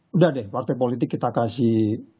udah deh partai politik kita kasih